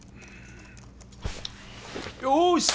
よし！